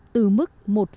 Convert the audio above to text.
từ mức một năm